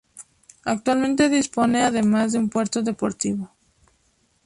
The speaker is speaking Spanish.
Actualmente dispone, además, de un puerto deportivo.